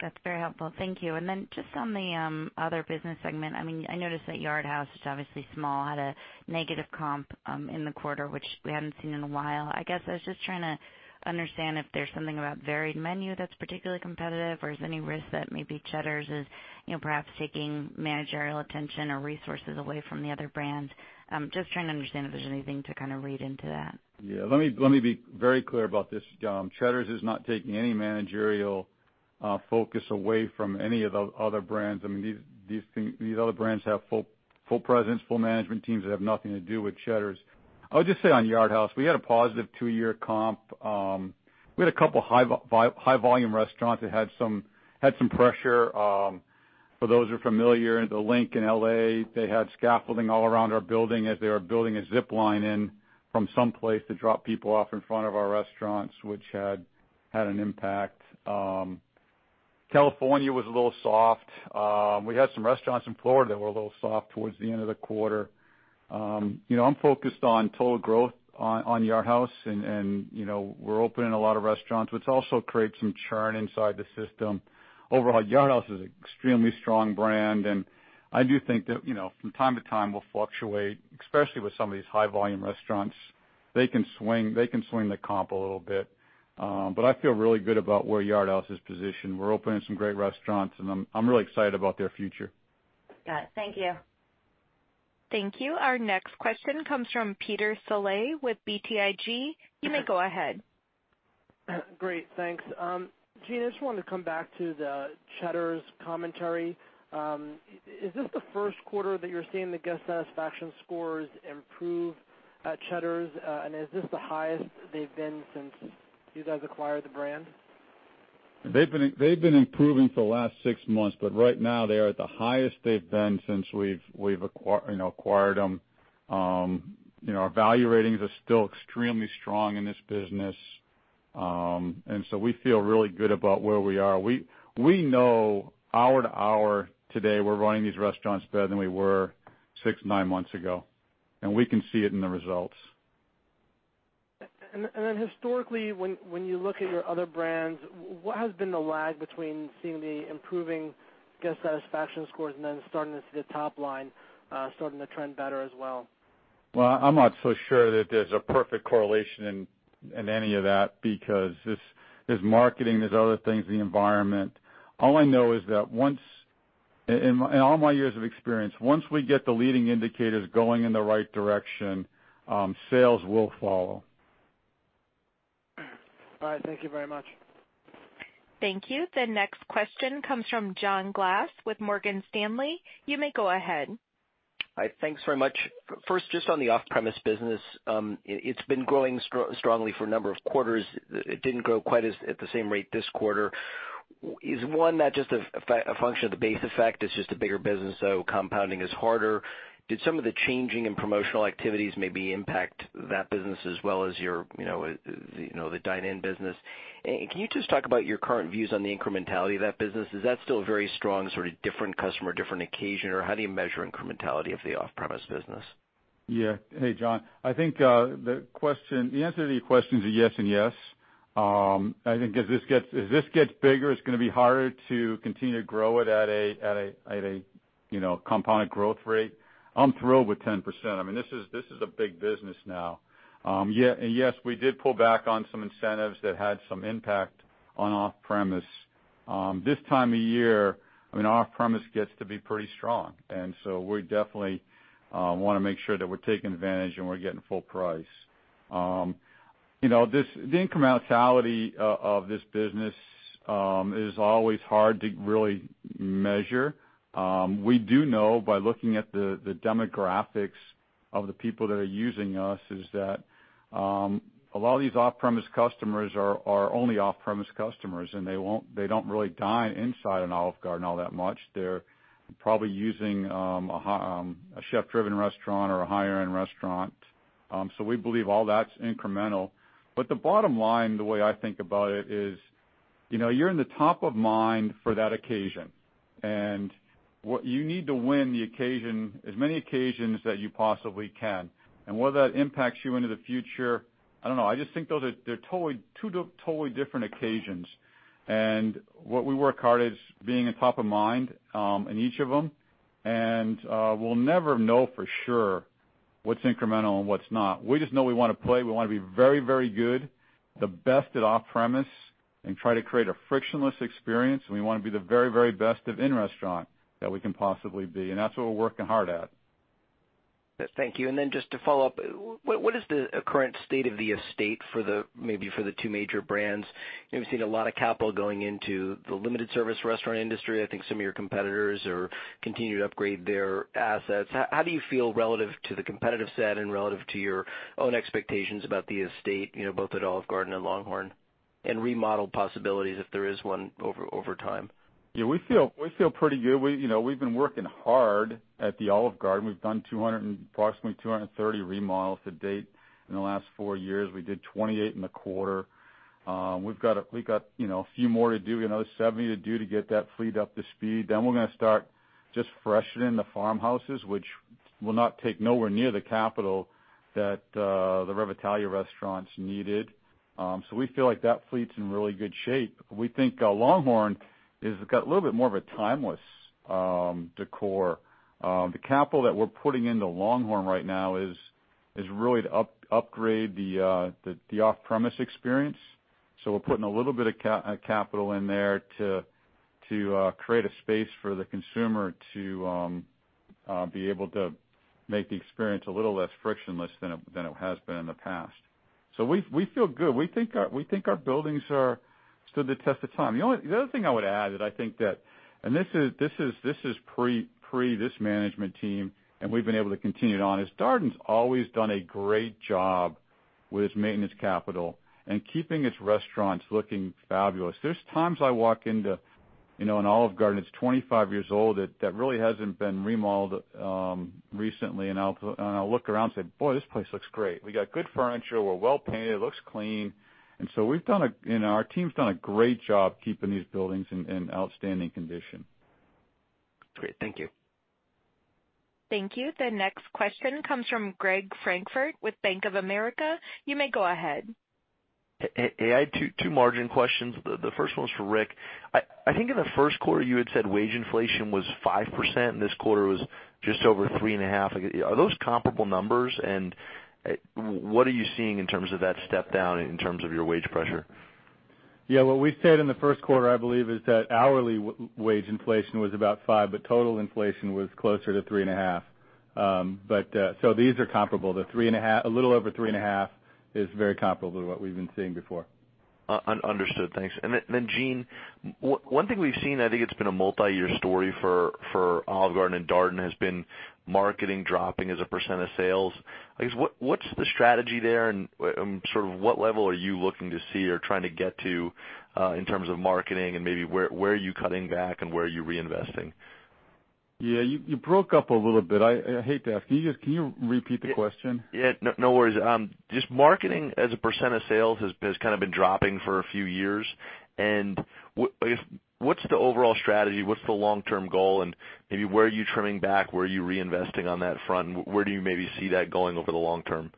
That's very helpful. Thank you. Then just on the other business segment, I noticed that Yard House, which is obviously small, had a negative comp in the quarter, which we hadn't seen in a while. I guess I was just trying to understand if there's something about varied menu that's particularly competitive or is there any risk that maybe Cheddar's is perhaps taking managerial attention or resources away from the other brands? Just trying to understand if there's anything to kind of read into that. Yeah. Let me be very clear about this, Sara. Cheddar's is not taking any managerial focus away from any of the other brands. These other brands have full presence, full management teams that have nothing to do with Cheddar's. I would just say on Yard House, we had a positive two-year comp. We had a couple high volume restaurants that had some pressure. For those who are familiar, Linc in L.A., they had scaffolding all around our building as they were building a zip line in from some place to drop people off in front of our restaurants, which had an impact. California was a little soft. We had some restaurants in Florida that were a little soft towards the end of the quarter. I'm focused on total growth on Yard House, and we're opening a lot of restaurants, which also creates some churn inside the system. Overall, Yard House is an extremely strong brand, and I do think that from time to time, we'll fluctuate, especially with some of these high volume restaurants. They can swing the comp a little bit. I feel really good about where Yard House is positioned. We're opening some great restaurants, and I'm really excited about their future. Got it. Thank you. Thank you. Our next question comes from Peter Saleh with BTIG. You may go ahead. Great. Thanks. Gene, I just wanted to come back to the Cheddar's commentary. Is this the first quarter that you're seeing the guest satisfaction scores improve at Cheddar's? Is this the highest they've been since you guys acquired the brand? They've been improving for the last six months, right now, they are at the highest they've been since we've acquired them. Our value ratings are still extremely strong in this business. We feel really good about where we are. We know hour to hour today we're running these restaurants better than we were six, nine months ago, and we can see it in the results. Historically, when you look at your other brands, what has been the lag between seeing the improving guest satisfaction scores and then starting to see the top line starting to trend better as well? Well, I'm not so sure that there's a perfect correlation in any of that because there's marketing, there's other things, the environment. All I know is that in all my years of experience, once we get the leading indicators going in the right direction, sales will follow. All right. Thank you very much. Thank you. The next question comes from John Glass with Morgan Stanley. You may go ahead. Hi. Thanks very much. Just on the off-premise business. It's been growing strongly for a number of quarters. It didn't grow quite at the same rate this quarter. Is one not just a function of the base effect, it's just a bigger business, so compounding is harder? Did some of the changing in promotional activities maybe impact that business as well as the dine-in business? Can you just talk about your current views on the incrementality of that business? Is that still very strong, sort of different customer, different occasion, or how do you measure incrementality of the off-premise business? Hey, John. I think the answer to the question is a yes and yes. I think as this gets bigger, it's going to be harder to continue to grow it at a compound growth rate. I'm thrilled with 10%. This is a big business now. Yes, we did pull back on some incentives that had some impact on off-premise. This time of year, off-premise gets to be pretty strong, and so we definitely want to make sure that we're taking advantage and we're getting full price. The incrementality of this business is always hard to really measure. We do know by looking at the demographics of the people that are using us, is that a lot of these off-premise customers are only off-premise customers, and they don't really dine inside an Olive Garden all that much. They're probably using a chef-driven restaurant or a higher end restaurant. We believe all that's incremental. The bottom line, the way I think about it is, you're in the top of mind for that occasion. You need to win the occasion, as many occasions that you possibly can. Whether that impacts you into the future, I don't know. I just think, though, that they're two totally different occasions, and what we work hard is being in top of mind in each of them, and we'll never know for sure what's incremental and what's not. We just know we want to play. We want to be very good, the best at off-premise, and try to create a frictionless experience. We want to be the very best of in-restaurant that we can possibly be. That's what we're working hard at. Thank you. Then just to follow up, what is the current state of the estate maybe for the two major brands? We've seen a lot of capital going into the limited service restaurant industry. I think some of your competitors are continuing to upgrade their assets. How do you feel relative to the competitive set and relative to your own expectations about the estate, both at Olive Garden and LongHorn, and remodel possibilities if there is one over time? We feel pretty good. We've been working hard at the Olive Garden. We've done approximately 230 remodels to date in the last four years. We did 28 in the quarter. We've got a few more to do, another 70 to do to get that fleet up to speed. Then we're going to start just freshening the farmhouses, which will not take nowhere near the capital that the RevItalia restaurants needed. We feel like that fleet's in really good shape. We think LongHorn has got a little bit more of a timeless decor. The capital that we're putting into LongHorn right now is really to upgrade the off-premise experience. We're putting a little bit of capital in there to create a space for the consumer to be able to make the experience a little less frictionless than it has been in the past. We feel good. We think our buildings stood the test of time. The other thing I would add that I think that, this is pre this management team, and we've been able to continue it on, is Darden's always done a great job with its maintenance capital and keeping its restaurants looking fabulous. There's times I walk into an Olive Garden that's 25 years old, that really hasn't been remodeled recently, and I'll look around and say, "Boy, this place looks great." We got good furniture. We're well-painted. It looks clean. Our team's done a great job keeping these buildings in outstanding condition. Great. Thank you. Thank you. The next question comes from Greg Francfort with Bank of America. You may go ahead. Hey, I had two margin questions. The first one was for Rick. I think in the first quarter, you had said wage inflation was 5%, and this quarter was just over 3.5%. Are those comparable numbers? What are you seeing in terms of that step down in terms of your wage pressure? Yeah. What we said in the first quarter, I believe, is that hourly wage inflation was about 5%, but total inflation was closer to 3.5%. These are comparable. A little over 3.5% is very comparable to what we've been seeing before. Understood. Thanks. Gene, one thing we've seen, I think it's been a multi-year story for Olive Garden and Darden, has been marketing dropping as a percent of sales. I guess, what's the strategy there and sort of what level are you looking to see or trying to get to in terms of marketing and maybe where are you cutting back and where are you reinvesting? Yeah, you broke up a little bit. I hate to ask. Can you repeat the question? Yeah, no worries. Just marketing as a percent of sales has kind of been dropping for a few years. What's the overall strategy? What's the long-term goal? Maybe where are you trimming back? Where are you reinvesting on that front? Where do you maybe see that going over the long term?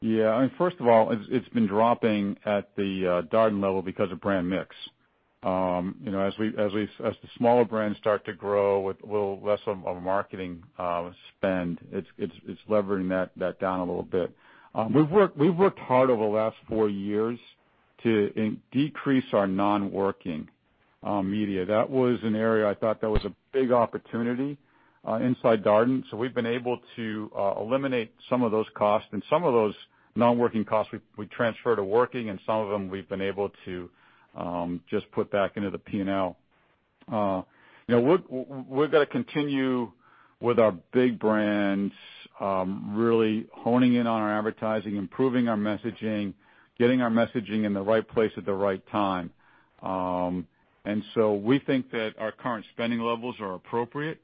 Yeah. First of all, it's been dropping at the Darden level because of brand mix. As the smaller brands start to grow with a little less of a marketing spend, it's levering that down a little bit. We've worked hard over the last four years to decrease our non-working media. That was an area I thought that was a big opportunity inside Darden. We've been able to eliminate some of those costs. Some of those non-working costs we transfer to working, and some of them we've been able to just put back into the P&L. We're going to continue with our big brands, really honing in on our advertising, improving our messaging, getting our messaging in the right place at the right time. We think that our current spending levels are appropriate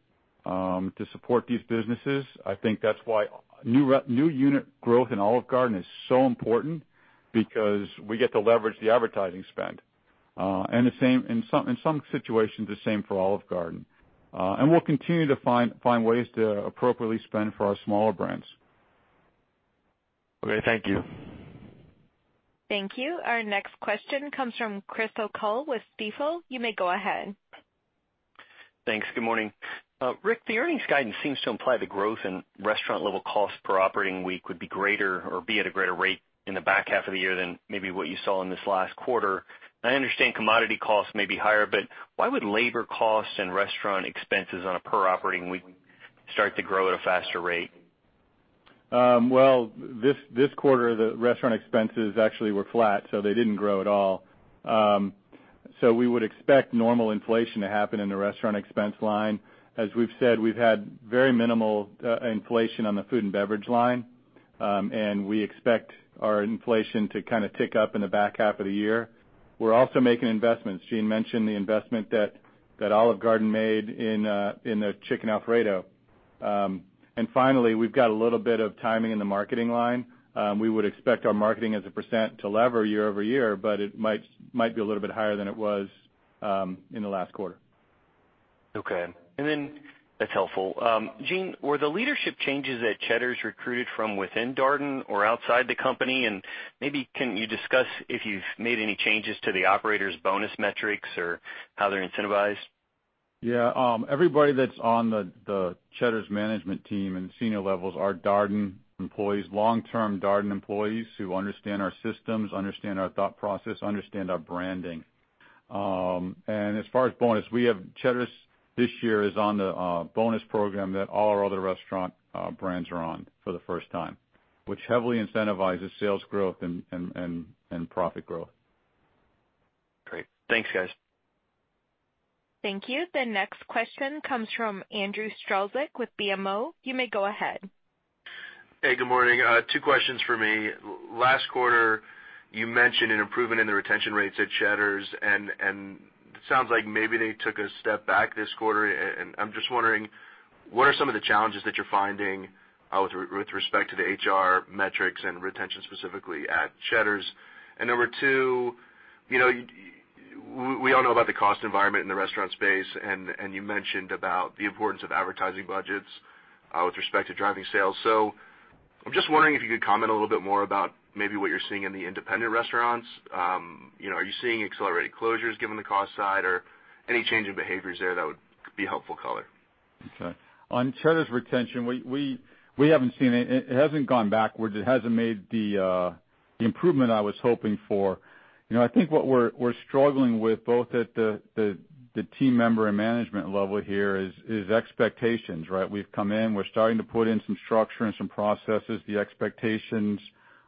to support these businesses. I think that's why new unit growth in Olive Garden is so important because we get to leverage the advertising spend. In some situations, the same for Olive Garden. We'll continue to find ways to appropriately spend for our smaller brands. Okay. Thank you. Thank you. Our next question comes from Chris O'Cull with Stifel. You may go ahead. Thanks. Good morning. Rick, the earnings guidance seems to imply the growth in restaurant level cost per operating week would be greater or be at a greater rate in the back half of the year than maybe what you saw in this last quarter. I understand commodity costs may be higher, why would labor costs and restaurant expenses on a per operating week start to grow at a faster rate? Well, this quarter, the restaurant expenses actually were flat, they didn't grow at all. We would expect normal inflation to happen in the restaurant expense line. As we've said, we've had very minimal inflation on the food and beverage line. We expect our inflation to kind of tick up in the back half of the year. We're also making investments. Gene mentioned the investment that Olive Garden made in the Chicken Alfredo. Finally, we've got a little bit of timing in the marketing line. We would expect our marketing as a percent to lever year-over-year, but it might be a little bit higher than it was in the last quarter. Okay. That's helpful. Gene, were the leadership changes at Cheddar's recruited from within Darden or outside the company? Maybe can you discuss if you've made any changes to the operators' bonus metrics or how they're incentivized? Yeah. Everybody that's on the Cheddar's management team in senior levels are Darden employees, long-term Darden employees, who understand our systems, understand our thought process, understand our branding. As far as bonus, Cheddar's this year is on the bonus program that all our other restaurant brands are on for the first time, which heavily incentivizes sales growth and profit growth. Great. Thanks, guys. Thank you. The next question comes from Andrew Strelzik with BMO. You may go ahead. Hey, good morning. Two questions for me. Last quarter, you mentioned an improvement in the retention rates at Cheddar's, it sounds like maybe they took a step back this quarter. I'm just wondering, what are some of the challenges that you're finding with respect to the HR metrics and retention, specifically at Cheddar's? Number two, we all know about the cost environment in the restaurant space, you mentioned about the importance of advertising budgets with respect to driving sales. I'm just wondering if you could comment a little bit more about maybe what you're seeing in the independent restaurants. Are you seeing accelerated closures given the cost side? Any change in behaviors there, that would be helpful color. Okay. On Cheddar's retention, we haven't seen it. It hasn't gone backwards. It hasn't made the improvement I was hoping for. I think what we're struggling with, both at the team member and management level here, is expectations, right? We've come in, we're starting to put in some structure and some processes. The expectations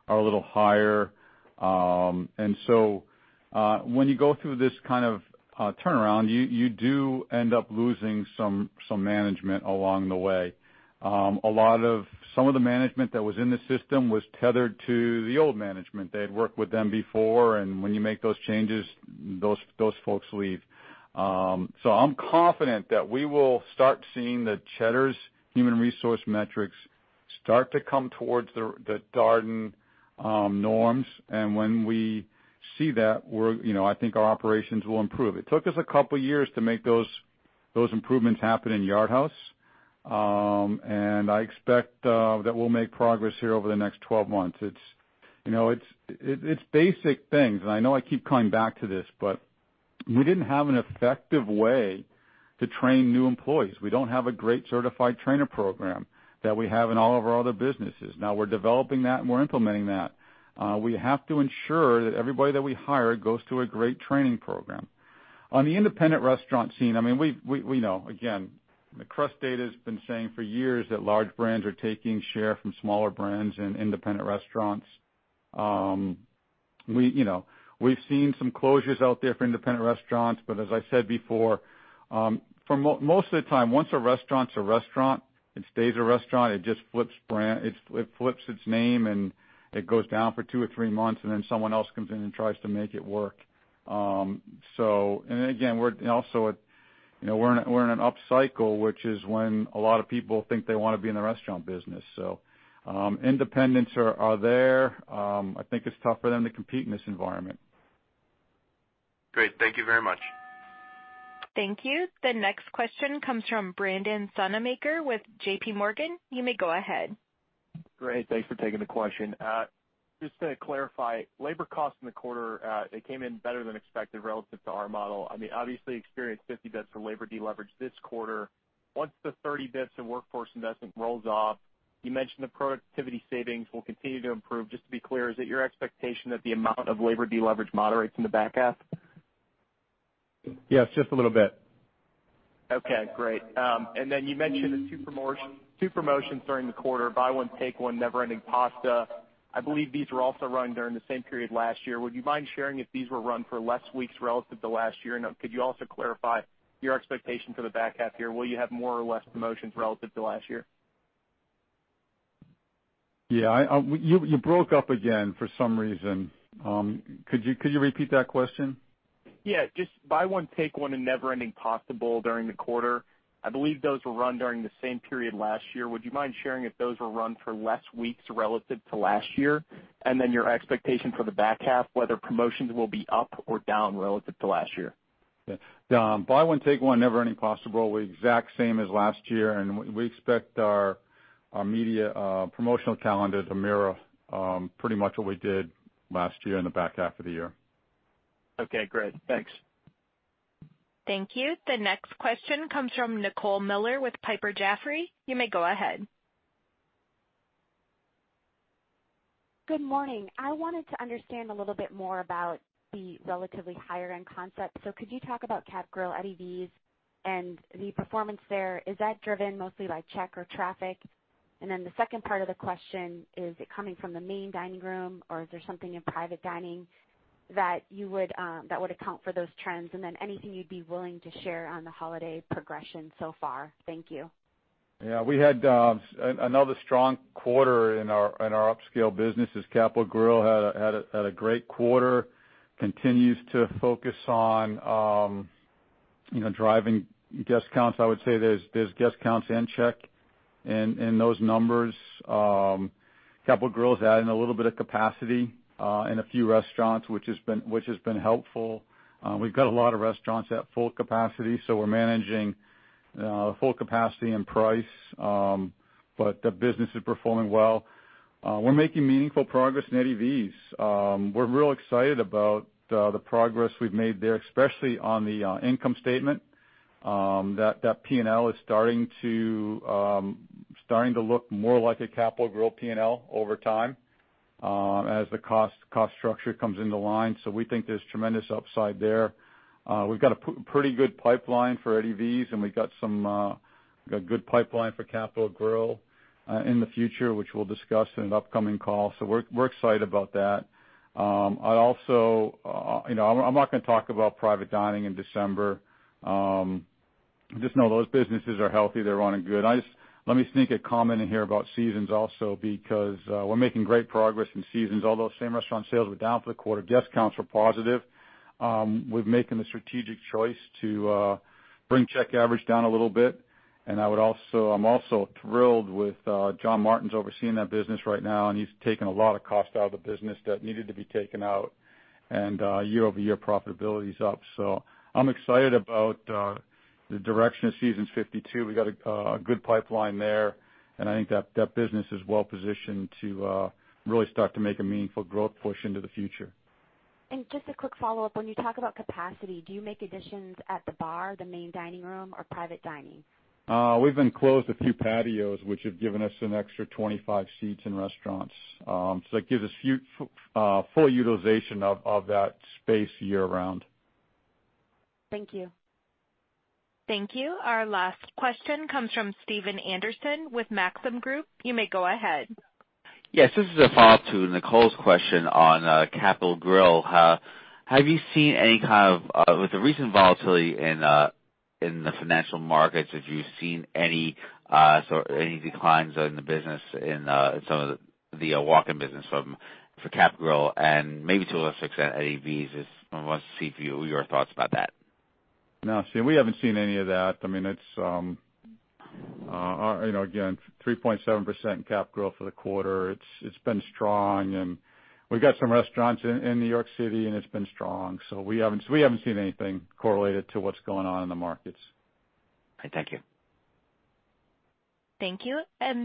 are a little higher. When you go through this kind of turnaround, you do end up losing some management along the way. Some of the management that was in the system was tethered to the old management. They had worked with them before, when you make those changes, those folks leave. I'm confident that we will start seeing the Cheddar's human resource metrics start to come towards the Darden norms. When we see that, I think our operations will improve. It took us a couple years to make those improvements happen in Yard House. I expect that we'll make progress here over the next 12 months. It's basic things, I know I keep coming back to this, we didn't have an effective way to train new employees. We don't have a great certified trainer program that we have in all of our other businesses. We're developing that, we're implementing that. We have to ensure that everybody that we hire goes through a great training program. On the independent restaurant scene, we know, again, the CREST data's been saying for years that large brands are taking share from smaller brands and independent restaurants. We've seen some closures out there for independent restaurants, as I said before, for most of the time, once a restaurant's a restaurant, it stays a restaurant. It just flips its name, it goes down for two or three months, then someone else comes in and tries to make it work. Again, we're in an up cycle, which is when a lot of people think they want to be in the restaurant business. Independents are there. I think it's tough for them to compete in this environment. Great. Thank you very much. Thank you. The next question comes from Brandon Sonnemaker with JPMorgan. You may go ahead. Great. Thanks for taking the question. Just to clarify, labor costs in the quarter, they came in better than expected relative to our model. I mean, obviously experienced 50 basis points for labor deleverage this quarter. Once the 30 basis points in workforce investment rolls off, you mentioned the productivity savings will continue to improve. Just to be clear, is it your expectation that the amount of labor deleverage moderates in the back half? Yes, just a little bit. Okay, great. Then you mentioned the two promotions during the quarter, Buy One, Take One, Never Ending Pasta. I believe these were also run during the same period last year. Would you mind sharing if these were run for less weeks relative to last year? Could you also clarify your expectation for the back half year? Will you have more or less promotions relative to last year? Yeah. You broke up again for some reason. Could you repeat that question? Yeah. Just Buy One, Take One, and Never Ending Pasta during the quarter. I believe those were run during the same period last year. Would you mind sharing if those were run for less weeks relative to last year? Then your expectation for the back half, whether promotions will be up or down relative to last year. Okay. The Buy One, Take One, Never Ending Pasta Bowl were exact same as last year. We expect our media promotional calendar to mirror pretty much what we did last year in the back half of the year. Okay, great. Thanks. Thank you. The next question comes from Nicole Miller with Piper Jaffray. You may go ahead. Good morning. I wanted to understand a little bit more about the relatively higher end concept. Could you talk about Capital Grille, Eddie V's, and the performance there? Is that driven mostly by check or traffic? The second part of the question, is it coming from the main dining room, or is there something in private dining that would account for those trends? Anything you'd be willing to share on the holiday progression so far. Thank you. Yeah, we had another strong quarter in our upscale businesses. Capital Grille had a great quarter. Continues to focus on driving guest counts. I would say there's guest counts and check in those numbers. Capital Grille is adding a little bit of capacity in a few restaurants, which has been helpful. We've got a lot of restaurants at full capacity, so we're managing full capacity and price, but the business is performing well. We're making meaningful progress in Eddie V's. We're real excited about the progress we've made there, especially on the income statement. That P&L is starting to look more like a Capital Grille P&L over time as the cost structure comes into line. We think there's tremendous upside there. We've got a pretty good pipeline for Eddie V's, and we've got a good pipeline for Capital Grille in the future, which we'll discuss in an upcoming call. We're excited about that. I'm not going to talk about private dining in December. Just know those businesses are healthy. They're running good. Let me sneak a comment in here about Seasons 52 also, because we're making great progress in Seasons 52. Although same-restaurant sales were down for the quarter, guest counts were positive. We're making the strategic choice to bring check average down a little bit, I'm also thrilled with John Martin's overseeing that business right now, he's taken a lot of cost out of the business that needed to be taken out, year-over-year profitability is up. I'm excited about the direction of Seasons 52. We got a good pipeline there, I think that business is well positioned to really start to make a meaningful growth push into the future. Just a quick follow-up. When you talk about capacity, do you make additions at the bar, the main dining room, or private dining? We've enclosed a few patios, which have given us an extra 25 seats in restaurants. That gives us full utilization of that space year-round. Thank you. Thank you. Our last question comes from Stephen Anderson with Maxim Group. You may go ahead. Yes. This is a follow-up to Nicole's question on The Capital Grille. With the recent volatility in the financial markets, have you seen any declines in the business in some of the walk-in business for The Capital Grille and maybe to a less extent, Eddie V's? I wanted to see your thoughts about that. No, Stephen, we haven't seen any of that. Again, 3.7% in The Capital Grille for the quarter. It's been strong, and we've got some restaurants in New York City, and it's been strong. We haven't seen anything correlated to what's going on in the markets. Okay. Thank you. Thank you.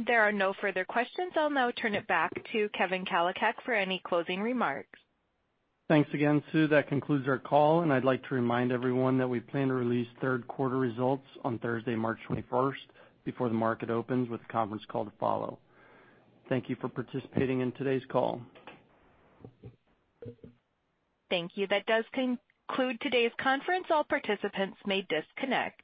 There are no further questions. I'll now turn it back to Kevin Kalicak for any closing remarks. Thanks again, Sue. That concludes our call, and I'd like to remind everyone that we plan to release third quarter results on Thursday, March 21st, before the market opens with a conference call to follow. Thank you for participating in today's call. Thank you. That does conclude today's conference. All participants may disconnect.